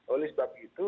oleh sebab itu